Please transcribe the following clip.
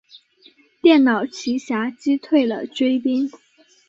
电脑奇侠击退了追兵。